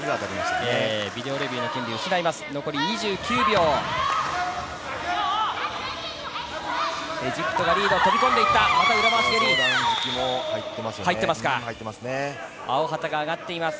ビデオレビューの権利失います。